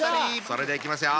それではいきますよ。